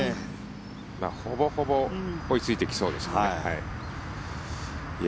ほぼほぼ追いついてきそうですね。